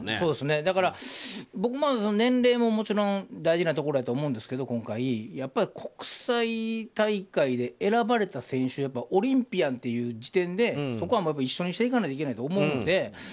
だから僕も年齢ももちろん大事なところやと思うんですけどやっぱり国際大会で選ばれた選手オリンピアンという時点でそこは一緒にしないといけないと思うので。